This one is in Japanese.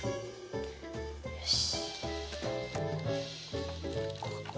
よし。